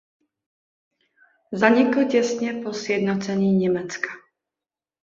Zanikl těsně po znovusjednocení Německa.